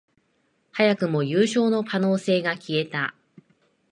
早くも優勝の可能性が消えた